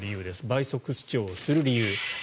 倍速視聴をする理由。